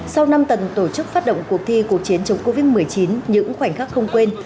sau năm tuần tổ chức phát động cuộc thi cuộc chiến chống covid một mươi chín những khoảnh khắc không quên